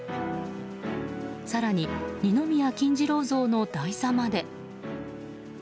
更に、二宮金次郎像の台座まで。